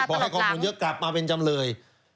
พอให้ข้อมูลเยอะกลับมาเป็นจำเลย